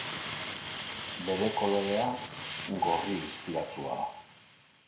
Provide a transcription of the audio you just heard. Bere kolorea gorri distiratsua da.